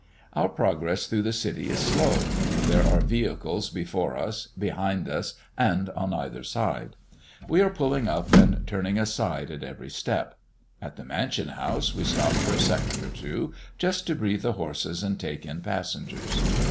Our progress through the city is slow. There are vehicles before us, behind us, and on either side. We are pulling up and turning aside at every step. At the Mansion house we stop for a second or two, just to breathe the horses and take in passengers.